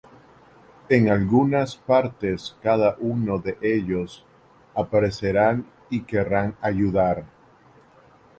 En algunas partes cada uno de ellos aparecerán y querrán ayudar.